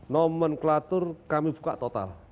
nomenklatur kami buka total